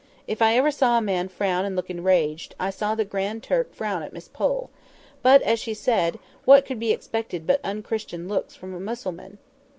If ever I saw a man frown and look enraged, I saw the Grand Turk frown at Miss Pole; but, as she said, what could be expected but unchristian looks from a Mussulman?